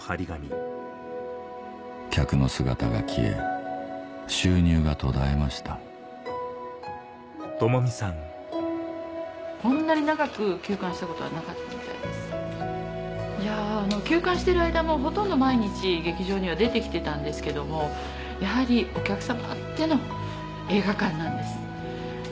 客の姿が消え収入が途絶えましたいや休館してる間もほとんど毎日劇場には出て来てたんですけどもやはりお客様あっての映画館なんです。